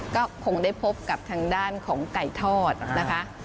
ก็คงได้พบกับทางด้านของไก่ทอดนะคะ